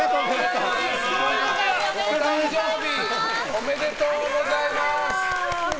おめでとうございます！